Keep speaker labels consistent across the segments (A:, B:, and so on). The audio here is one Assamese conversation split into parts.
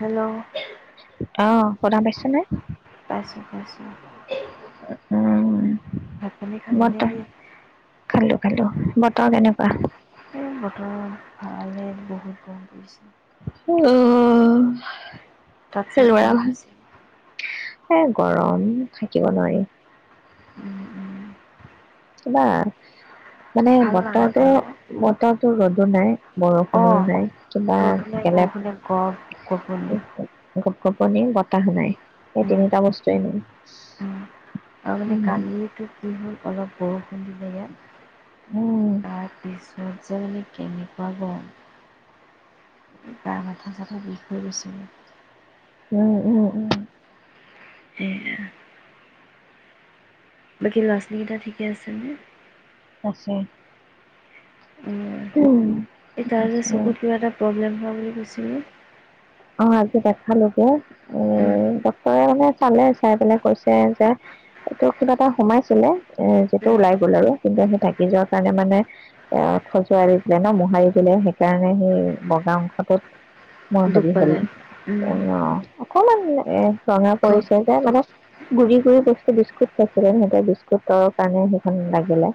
A: হেল্ল'
B: আহ শুনা পাইছে নাই
A: উ [inaudible] পানী খালি নে
B: বতৰ
A: কি?
B: খালোঁ খালোঁ, বতৰ কেনেকুৱা
A: এই বতৰ ভালে বহুত কম পৰিছে।
B: অঁ
A: তাত চাগে আৰু বেছি
B: এ গৰম থাকিব নোৱাৰি।
A: উম উম।
B: ন। মানে
A: ভাল লগা
B: বতৰটো
A: নাই ন?
B: বতৰটো ৰ'দো নাই বৰষুণো
A: অ'
B: নাই কিবা
A: ৰ'দো নাই
B: গলে
A: বৰষুণে গপ গপনি
B: গপনি বতাহ নাই সেই
A: উম
B: তিনিটা বস্তই ন উ
A: উম। আৰু মানে কালিতো কি হ'ল অলপ বৰ সিলে
B: উম,
A: তাৰ পিছ ৰত যে মানে কেনেকুৱা গৰম। কিবা মাথা-চাথা বিষাই গৈছে মোৰ।
B: উম - উম - উম।
A: সেয়া। বাকী ল'ৰা-ছোৱালীকেইটা ঠিকে আছেনে?
B: আছে।
A: এই তাৰ যে
B: আছে।
A: চকুত কিবা এটা প্ৰব্লেম বুলি কৈছিলি?
B: অ' আজি দেখালুগে। এ
A: উম।
B: ডক্তৰে মানে চালে চাই পেলাই কৈছে যে, এইটো কিবা এটা সোমাইছিলে। এ যিটো
A: উম।
B: ওলাই গ'ল আৰু। কিন্তু সেই নিজৰ কাৰণে মানে এ- খজুৱাই দি দিলে ন', মোহাৰি দিলে। সেইকাৰণে সেই বগা অংশটোত
A: দুখ
B: [unintelligible]
A: পালে উম
B: [unintelligible] কমান এ ৰঙা
A: ঘ
B: পৰিছে যে, মানে গুৰি-গুৰি বস্ বিস্কুট খাইছিলে সিহঁতে, বিস্কুটৰ কাৰণে সেইখন লাগিলে।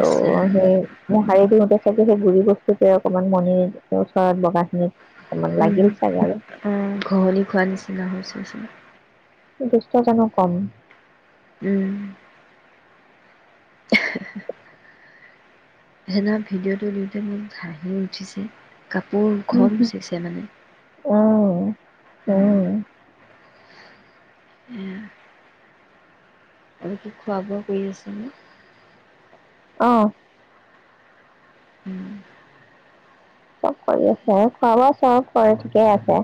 B: তো
A: আছে
B: সেই মোহাৰি দিওঁতে চব সেই যে গুৰি বস্তু পৰে, অকমান মণিৰ ওচৰত বগা খিনিত অকমান লাগিল।
A: উম
B: চাগে আৰু
A: অ' ঘহনি খোৱা নিচিনা হৈ হৈছে যে।
B: দুষ্ট জানো কম?
A: উম। হেনো ভিডিঅ'টো দিওঁতে মোক হাঁহি উঠিছেঋ
B: উম অ' -
A: উম
B: অ'।
A: এয়া আৰু কি খোৱা-বোৱা কৰি আছা নে?
B: অ'।
A: উম।
B: চব কৰি আছে। খোৱা-বোৱা চব কৰে, ঠিকেই আছে।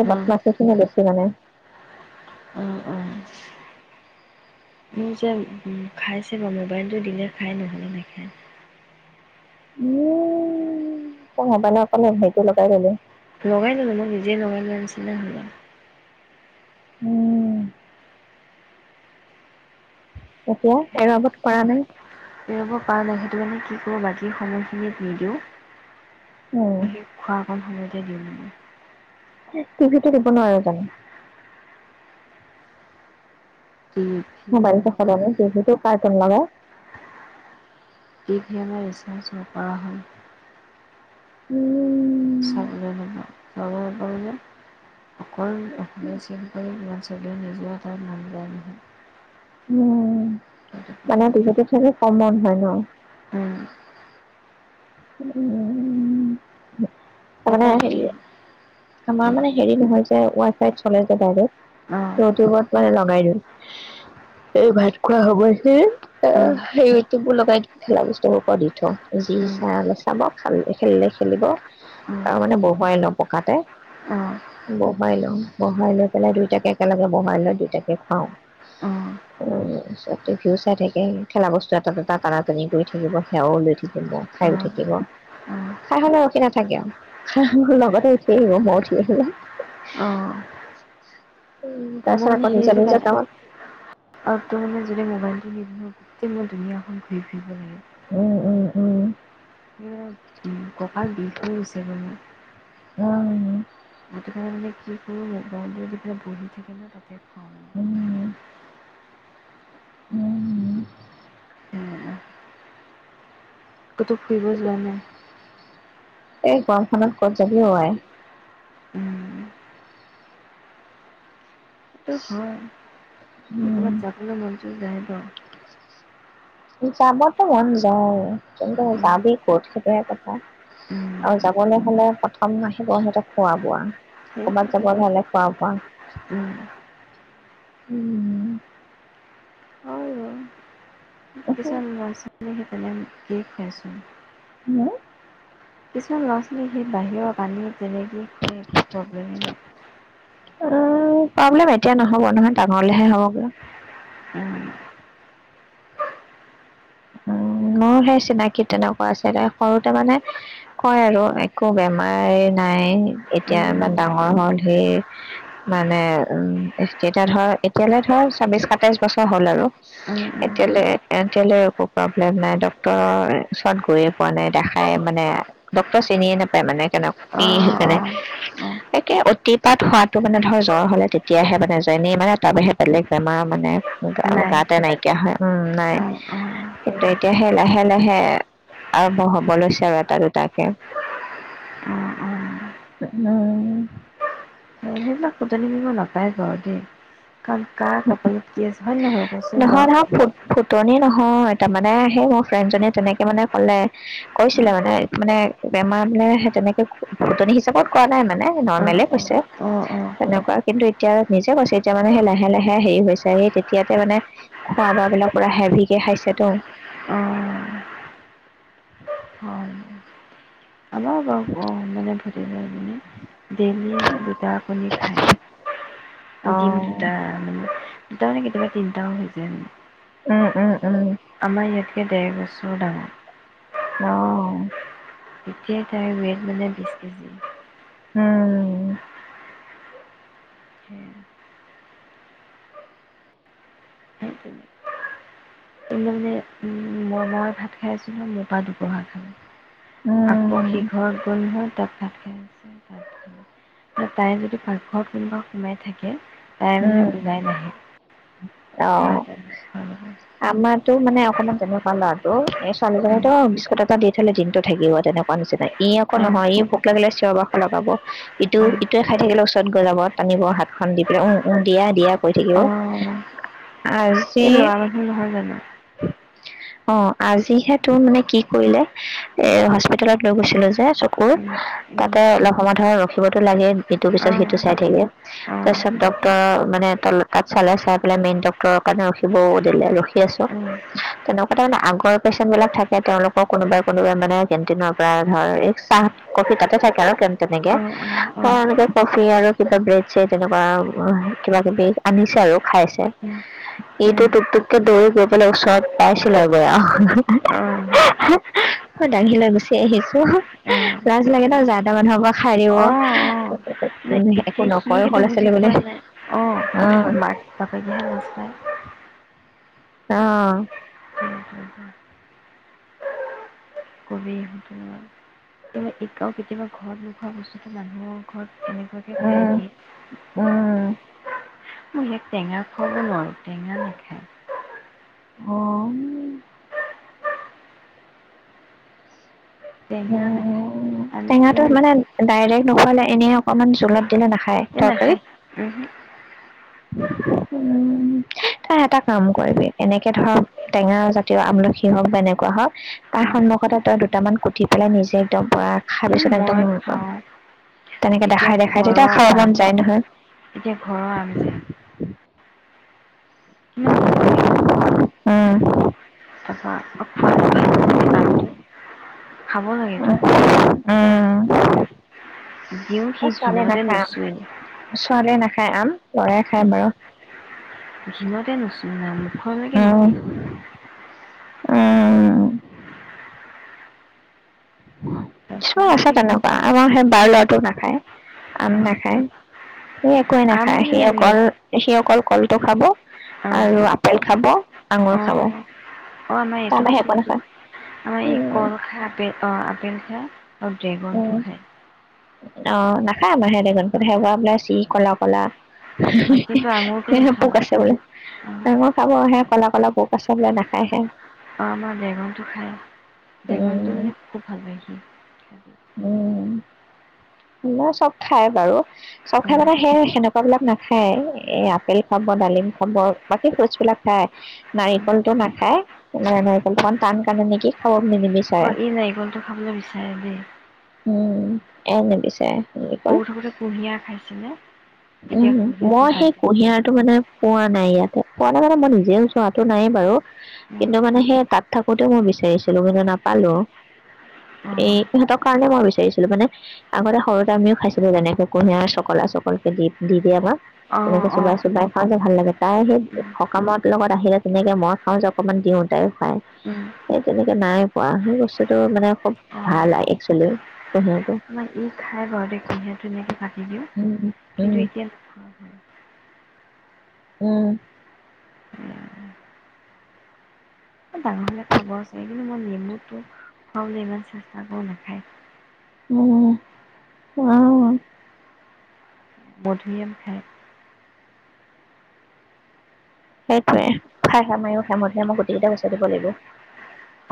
B: এই
A: অ
B: বদমাছিখিনি বেছি মানে।
A: অ সি যে উম খাইছে ৰ', মোবাইলটো দিলে খাই, নহ'লে নাখায়।
B: উম, তোক [unintelligible] অকন হেৰিটো লগাই পালোঁ।
A: লগাই লোৱা। মই নিজে লগাই লৈ আনিছোঁ। [inaudible]
B: উম। এতিয়া এৰাবটো পৰা নাই।
A: এৰাব পৰা নাই, সেইটো কাৰণে কি কৰোঁ, বাকী সময়খিনিত
B: উম
A: নিদিওঁ। সি খোৱা কম সময়তে দিওঁ মানে
B: টিভি তে দিব নোৱাৰো জানো?
A: টিভি
B: মোবাইলটো
A: আমাৰ
B: সলনি টিভিটো কাৰ্টুন লগাই
A: টিভি আমাৰ ৰিচাৰ্জ নকৰা হ'ল
B: উম
A: চাবলে সময় নাপাও যে অকল অসমীয়া ছবি কৰি লোৱা হৈছে চবে নিজৰ তাত মন যায় নহয়
B: উম
A: সেইটো
B: মানে
A: কাৰণে
B: বিহেত চাগে কমন হয় ন
A: উম
B: উম উ তাৰ
A: এটা
B: মানে হেৰি
A: আনিম
B: আমাৰ মানে হেৰি নহয় যে ৱাই এপচ চলে যে বাইদৈ ইউটিউবত মানে লগাই দিওঁ এই ভাত খোৱা হব যে সেই ইউটিউব‌ লগাই দিওঁ খেলা বস্তুবোৰ পৰা দি থওঁ যি চৈ চাব খাল খেলিলে খেলিব আৰু মানে বহুৱাই লওঁ পকাতে
A: অঁ অঁ অঁ অঁ অঁ
B: বহুৱাই লওঁ বহাই লৈ পেলাই দুইটাকে একেলগে বহাই লৈ দুইটাকে খুৱাওঁ পিছতে সিও চাই থাকে খেলা বস্তু এটাাত এটা টানা টানি কৰি থাকিব সেৱাও লৈ থাকিব খাই
A: অঁ
B: উ
A: অঁ
B: থাকিব
A: অঁ
B: খাই হলে ৰখি নাথাকে খ লগতে উঠি আহিব মই উঠি আহিলেহে
A: অঁ
B: উ
A: মোৰ মানে সেইটো কাৰণে আৰু তোৰ মানে যদি মবাইল গোটেই মই ধুনীয়াখন ঘূৰি ফুৰিব লাগে
B: উম উম উম
A: এ ককাল বিষ হৈ গৈছে গে মোৰ
B: উম
A: ৰাতিপুৱা সময়ত কি কৰো ম'বাইল টো দি যেতিয়া বহি থাকে ন তাতে খওঁ
B: [unintelligible] উম
A: [unintelligible] ক তো ফুৰিব যোৱা নাই
B: এই গৰমখনত ক'ত যাবি অ উলাই
A: উম, সেইটো হয় কিন্তু
B: উম
A: ক'ৰবাত যাবলৈ মনটো যায় ব
B: যাবতো মন যায় কিন্তু
A: উম,
B: যাবি ক'ত সেইটোয়ে কথা আৰু
A: উম,
B: যাবলৈ হলে প্ৰথম আহিব সিহত খোৱা বোৱা
A: সেইটোৱে
B: ক'বাত যাব
A: কথা
B: হলে খোৱা পোৱা
A: উম,
B: উম
A: [unintelligible] তেনে কে খাইছোন
B: হম
A: কিছু ল আপুনি সেই বাহিৰৰ পানী তেনেকৈ খুৱাই একো প্ৰব্লেমেই নাই
B: অ প্ৰব্লেম এতিয়া নহ'ব নহয় ডাঙৰ হলেহে হ'ব বা
A: উম
B: উম মোৰ সেই চিনাকি তেনেকুৱা আছে সৰুতে মানে কয় আৰু একো বেমাৰ নাই এতিয়া
A: উম,
B: ইমান ডাঙৰ
A: উম,
B: হল সেই মানে উম এতিয়া ধৰ এতিয়ালৈ ধৰ ছাব্বিশ সাতাইশ বছৰ হল আৰু
A: উম,
B: এতিয়ালৈ এতিয়ালৈ প্ৰব্লেম নাই ডক্তৰৰ ওচৰত গৈয়ে পোৱা নাই দেখাই মানে ডক্তৰ চিনিয়ে নোপায় মানে কেনেক কি
A: অঁ, অঁ, অঁ,
B: একে অতিপাত হোৱাটো মানে ধৰ জ্বৰ হলে তেতিয়াহে মানে যেনেই মানে তাৰ বাহি বেলেগ বেমাৰ মানে গাতে নাই কিয়া হয় উম নাই
A: অঁ, অঁ,
B: কিন্তু এতিয়াহে লাহে লাহে আৰম্ভ হব লৈছে আৰু এটা দুটাকে উম
A: অঁ, অঁ কাক কতন নিব নাপায় ঘগে কাৰণ কা কপালত কি আছে হয়ে নহয় কচোন বাৰু
B: অ তাৰ মানে আহে মোৰ ফ্ৰেণ্ড জীয়ে তেনেকে মানে কলে কৈছিলে মানে মানে বেমাৰ মানে সেই তেনেকে ফুটনি হিচাপত কৰা নাই মানে
A: অ',
B: নৰ্মেলে
A: অ',
B: কৈছে
A: অ', অ', অ',
B: তেনেকুৱা কিন্তু এতিয়া নিজে কৈছে এতিয়া মানে সেই লাহে লাহে হেৰি হৈছে এই তেতিয়াতে মানে খোৱা ব বিলাক পুৰা হেভিকে খাইছে তো
A: হয়। আমাৰ বাৰু অ', মানে
B: [unintelligible]
A: ভতিজা এজনী ডেইলি দুটা কণী খায় ন দিম
B: অঁ
A: দুটা মানে দুটা মানে কেতিয়াবা তিনিটাও হৈ যায় মে
B: উম উম উম
A: ডেৰ বছৰ ডাঙৰ
B: আহ
A: এতিয়াই তাই ৱেইট মানে বিশছ কেজি
B: উম
A: সেয়া সেই তেনে মানে মই মই ভাত খাই আছোঁ ন মোৰ পৰা দুপৰহা খালো আকৌ
B: উম
A: সিঘৰত গৈ নহয় তাত তাই যদি পাকঘৰত কোনোবা সোমাই থাকে তাই মানে
B: উম
A: ওলাই নাহে ক ক
B: আমাৰোটো মানে অকমান তেনেকুৱা লৰাটো ছোৱালীজনী বিস্কুট এটা দি থলে দিনতটো থাকিব তেনেকুৱা নিচিনা ই আকৌ নহয় ই ভোক লাগিলে চিঞৰ বাখ লগাব ইটো ইটোৱে খাই থাকিলে ওচৰত গজাব টানিব হাত খ দি পেলাই উম উম দিয়া দিয়া কৈ থাকিব
A: অঁ অঁ অঁ
B: আ
A: এই ল' মানুহ নহয় জানো উ
B: অ আজিহে তোৰ মানে কি কৰিলে এ হস্পিিতালত লৈ গৈছিলো যে চকুৰ তাতে অলপ সময় ধৰ ৰখিবতো লাগে ইটোৰ পিছত
A: অঁ
B: সিটো চাই থাকোৰ
A: অঁ অঁ
B: চব ডটৰ মানে ত তাত চালে চাই পেলাই মেইন ডটৰৰ কাৰণে ৰখিব
A: অঁ
B: তেনেকুৱা তাৰানে আগৰ পেচেণ্ট বিলাক থাকে তেওঁলোকৰ কোনোবাই কোনোবাই মানে কেটিনৰ পৰা ধৰ চাহ কফি তাতে থাকে আৰু তেনেকে
A: অঁ অঁ অঁ অঁ
B: কফি আৰু কিবা ব্ৰেড তেনেকুৱা কিবা কিবি আনিছে আৰু খাইছে
A: অঁ
B: সটো ুপকে দৌৰি গৈ পেলাই ওচৰত পাইছিলো আৰু গৈ মই দাঙ লৈ গুচি আহিছো লাজ লাগে ত যাহ এাহ মানুহৰ পৰা খাই
A: অঁ
B: দিব উম,
A: এতিয়া
B: একো
A: সি
B: নকয় সৰু
A: সেইটো
B: ল'ৰা
A: বুজি
B: ছোৱালী বুলি
A: পোৱা নাই অ
B: উম,
A: বাক বাপহে মজ পায়
B: আহ
A: কবিত এই এও কেতিয়াবা ঘৰত নোখোৱা বস্তুটো মানুহৰ ঘৰত এনেকুৱাকে খঠাই
B: উম,
A: দিয় মই ইয়াক টেঙা খুৱাব নোৱাৰো টেঙা নাখায়
B: হ উ
A: টেঙা নাখায় আন-
B: টেঙাটোো মানে ডাইৰেক্ট নোখালে এনেই অকণমান জোলত দিল নাখে
A: ইনেকায় উ
B: উম তই এটা কাম কৰিবি এনেকে ধৰক টেঙা জাতীয় আমলখি হওক বা এনেকুৱা হওক তাৰ
A: উম,
B: সন্মুখতে তই দুটামান উুঠি পেলাই নিজে একদম প খাই
A: উম,
B: পিছত একদম
A: মই
B: পাম
A: খাওঁ
B: তেনেকে
A: এতিয়া
B: দেখাই দেখাই
A: ঘৰৰ
B: তেতিয়া খাব
A: আম
B: মন যায় নহয়
A: এতিয়া ঘৰৰ আম যে ইমান ভাল লাগে নব
B: উম,
A: তাৰপা খোৱাটো ভাল নহয় আমটো খাব লাগো
B: উম, এ ছোৱালী নাখায়
A: নুচুৱে
B: ছোৱালীয়ে নাখা হে আম। লৰাই খাইাম বাৰু
A: যিমানতেন মুখখনৰলৈকে নেকি
B: আহ।
A: তাৰপৰা
B: কিছমান
A: সেই
B: আছে
A: কি
B: তেনেকুৱা আমাৰ সেই বাৰ ল'ৰাটো নাখায় আম
A: অ,
B: নাখায়। সি একোৱেই
A: আম
B: নাখায় সেই
A: বোলে
B: অকল
A: মি-
B: সেই অকল কলটো খাব
A: অ
B: আৰু আপেল খাব আঙুৰ খাব
A: অ আমাৰ
B: তাৰ
A: এইটো
B: বাহিৰে একো
A: স
B: নাখায়
A: আমাৰ এই
B: উম
A: কল খাপে অ বিনক আৰু
B: উম
A: ড্ৰেগনটো খায়
B: অ নাখায় আমাৰ সে দে সেৱা বলাই চি ক'লা কলা
A: অ' কিন্তু আঙুৰটো
B: সহে
A: নাখায়
B: পোক আছে বোলে
A: অঁ
B: ডাঙৰ খাব আহে কলা কলা বোক আছে বোলে নাখায়হে
A: অ আমাৰ বেঙনটো খাই বেঙনটো
B: উম
A: মানে খুব ভাল পায় সি খাই
B: উম চব খায় বাৰু চব খাই মানে সেই সেনেকুৱা বিলাক নাখায় এ আপেল খাব ডালিম খাব বাকী ফ্ৰুটচ বিলাক খাই নাৰিকলটো নাখায় নাৰিকল খ টান কাৰণে নেকি খাব নিমি
A: অ ই নাৰিকলটো খাবলৈ বিচাৰে দেই
B: উম এ নিবিচাৰে বুলি কল
A: সৰু থাকোতে কুঁহিয়াৰ খাইছেনে
B: উম
A: তেতিয়া
B: মই
A: কুঁহিয়াৰটো
B: সেই
A: বাদ দিব
B: কুঁহিয়াৰটো মানে পোৱা নাই ইয়াতে পোৱা নাই মানে মই নিজেও চোৱাটো নাই বাৰু কিন্তু মানে সেই তাত থাকোতে মই বিচাৰিছিলো কিন্তু নাপালো এই
A: অঁ
B: সিহঁতৰ কাৰণে মই বিচাৰিছিলো মানে আগতে সৰুতে আমিও খাইছিলো যেনেকে কুঁহিয়াৰ চকলা চকলকে দি দি দিয়া বা
A: অঁ অঁ
B: তেনেকে চোবাই
A: অঁ
B: চোবাই খাওঁ যে ভাল লাগে তাই সেই সকামত লগত আহিলে তেনেকে মই খাওঁ যে অকমান দিওঁ তাইও খাই সেই তেনেকে নাই পোৱা সেই বস্তুটো মানে খুব ভাল একচোৱেলি
A: ম ই খাই বাৰু দে কুঁহিয় ধুনকে কাটি দিওঁ
B: উম
A: কিন্তু
B: উম
A: এতিয়া হয়
B: উম
A: হ'ল ডাঙৰ হলে খাবচাৰ কিন্তু মই নেমুটো খুৱাবলৈ ইমান চেষ্টা কৰো নাখায়
B: উম আহ
A: মধুৰীআম খায়
B: সেইটোৱে খাই মাৰিও খাই মে মাক গোটেই কেইটা বচাই দিব লাগিব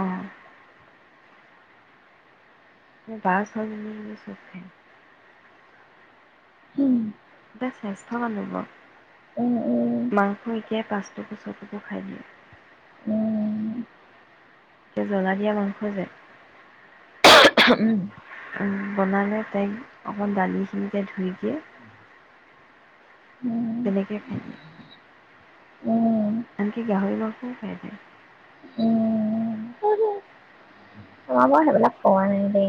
A: অঁ বাছ চখে
B: উম
A: এতিয়া শ্ৰেষ্ঠ মানব
B: উম উম
A: শইকীয়াই পাঁচটো গোচৰটুকু খাই দিয়ে
B: উম
A: এয়া জ্বলা দিয়া মাংস যে
B: উম
A: বনালে তাইক অকণ দালিখিনিতে ধুই দিয়ে
B: উম
A: তেনেকে খায়
B: উম
A: আনকি গাহৰিব মাংসও খুব খাই যায়
B: তোমাৰ বাৰু সেইবিলাক কোৱা নাই দেই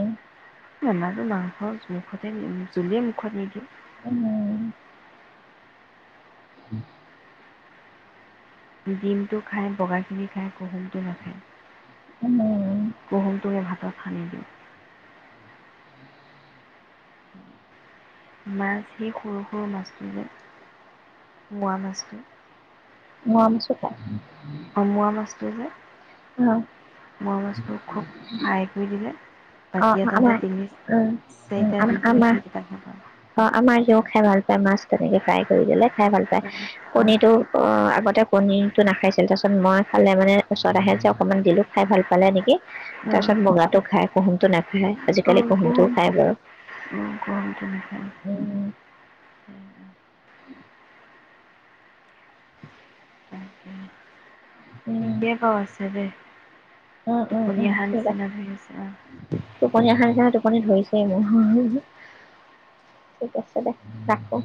A: আমাৰো মাংস মুখতে জুলিয়ে মুখত নিদিওঁ
B: উম
A: ডিমটো খাই বগাখিনি খাই কুহুমটো নাখায়
B: উম
A: কুহুমটোৰে ভাতত সানি দিওঁ মাছ সেই সৰু সৰু মাছটো যে মোৱা মাছটো
B: মোৱা মাছো খাই
A: অমোৱা মাছটো যে
B: অ
A: মোৱা মাছটো খুব ফ্ৰাই কৰি দিলে
B: অ
A: বাতি এটাতে
B: আমাৰ
A: তিনি
B: উ
A: চাৰিটা দি দিলে
B: আমাৰ
A: সেইকেইটা খাব
B: অ আমাৰ সিও খায় ভাল মাছ তেনেকৈ ফ্ৰাই কৰি দিলে খাই ভাল পায়
A: অ
B: কণীটো অ আগতে পনীৰটো নাখাইছিল তাৰপিছত মই খালে মানে ওচৰত আহে অকণমান দিলোঁ খাই ভাল পালে নেকি তাৰ পিছত মুগাটো খাই কুহুমটো নাখায়
A: অ
B: আজিকালি কুহুমটোও
A: গম
B: খায় বাৰু
A: গম তেনেকৈ
B: উ উম
A: ঠিকেই আছে দে
B: উম উম
A: টোপনি
B: উম
A: অহাৰ
B: ঠিক আছে
A: নিচিনা ধৰি অ
B: তোপনীয়া সাৰ টোপ ধৰিছে মোৰ ঠিক আছে দে ৰাখো